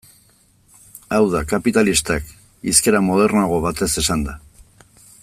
Hau da, kapitalistak, hizkera modernoago batez esanda.